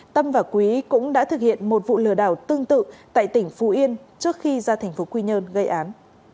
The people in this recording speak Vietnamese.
tâm và quý cũng đã thực hiện một vụ lừa đảo tương tự tại tỉnh phú yên trước khi ra thành phố quy nhơn gây án